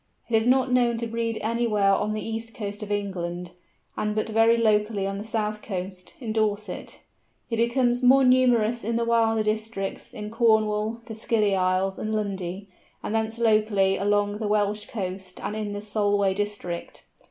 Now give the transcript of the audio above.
It is not known to breed anywhere on the east coast of England, and but very locally on the south coast, in Dorset. It becomes more numerous in the wilder districts, in Cornwall, the Scilly Islands, and Lundy, and thence locally along the Welsh coast and in the Solway district.